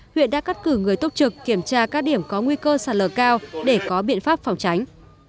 huyện đã cắt cử người tốc trực kiểm tra các điểm có nguy cơ sạt lở cao để có biện pháp phòng tránh